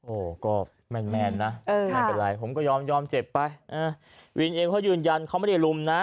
โอ้ก็แมนนะไม่เป็นไรผมก็ยอมเจ็บไปวินเองก็ยืนยันเขาไม่ได้รุมนะ